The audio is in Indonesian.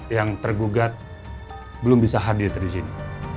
yang tergugat belum bisa hadir di sini